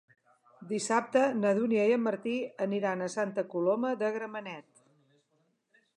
Dissabte na Dúnia i en Martí aniran a Santa Coloma de Gramenet.